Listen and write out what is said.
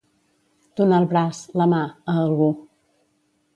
Donar el braç, la mà, a algú.